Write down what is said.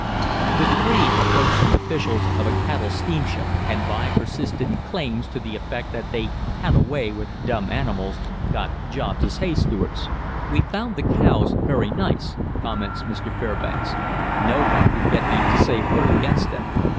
The three approached the officials of a cattle steamship, and by persistent claims to the effect that they "had a way" with dumb animals, got jobs as hay stewards. "We found the cows very nice," comments Mr. Fairbanks. "No one can get me to say a word against them.